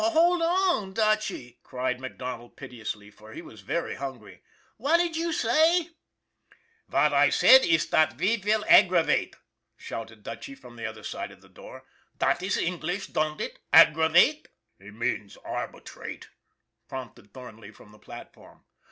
"Oh, hold on, Dutchy!" cried MacDonald pit eously, for he was very hungry. " What did you say? ":< Vat I said iss dot ve vill aggravate !" shouted Dutchy from the other side of the door. " Dot iss English, don'd it ? Aggravate !"" He means arbitrate," prompted Thornley from the platform.